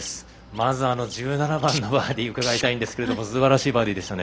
まず、１７番のバーディー伺いたいんですけれどもすばらしいバーディーでしたね。